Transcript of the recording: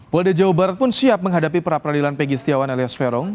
polda jawa barat pun siap menghadapi pra peradilan pegi setiawan alias verong